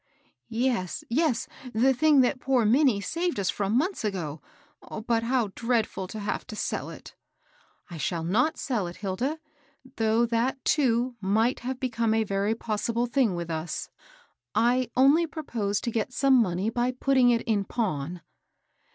" Yes, yes ; the thing that poor Minnie saved us from months ago! But how dreadful to have to sell it I" " I shall not sell it, Hilda •, tliow^ ^^^ \r^ 222 HABEL &0S8. miglit have become a very possible thing with us. I only propose to get some money by putting it in pawn."